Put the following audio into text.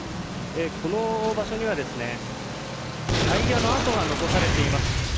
この場所にはタイヤの跡が残されています。